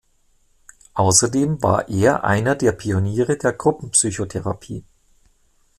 Außerdem war er einer der Pioniere der Gruppenpsychotherapie.